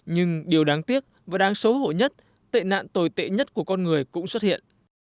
nhưng điều đáng tiếc và đáng xấu hổ nhất tệ nạn tồi tệ nhất của con người cũng xuất hiện